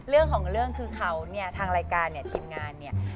เรื่องของเรื่องคือเขาเนี่ยทางรายการเนี่ยทีมงานเนี่ย